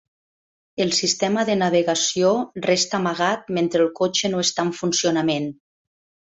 El sistema de navegació resta amagat mentre el cotxe no està en funcionament.